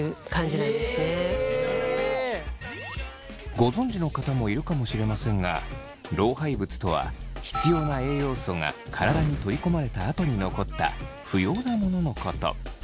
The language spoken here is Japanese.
ご存じの方もいるかもしれませんが老廃物とは必要な栄養素が体に取り込まれたあとに残った不要なもののこと。